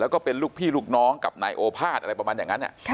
แล้วก็เป็นลูกพี่ลูกน้องกับนายโอภาษอะไรประมาณอย่างนั้น